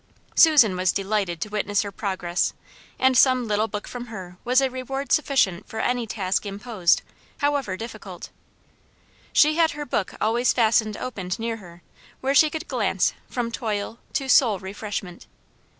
Susan was delighted to witness her progress, and some little book from her was a reward sufficient for any task imposed, however difficult. She had her book always fastened open near her, where she could glance from toil to soul refreshment.